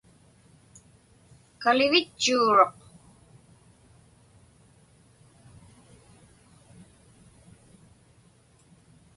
Kalivitchuuruq.